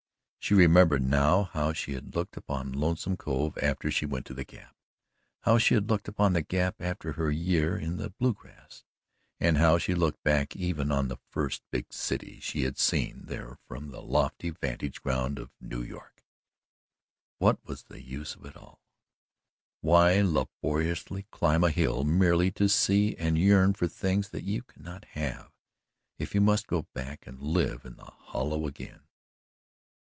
She remembered now how she had looked upon Lonesome Cove after she went to the Gap; how she had looked upon the Gap after her year in the Bluegrass, and how she had looked back even on the first big city she had seen there from the lofty vantage ground of New York. What was the use of it all? Why laboriously climb a hill merely to see and yearn for things that you cannot have, if you must go back and live in the hollow again?